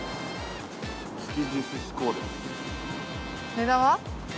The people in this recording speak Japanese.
値段は？